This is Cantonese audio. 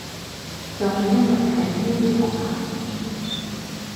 就係因為係呢啲學校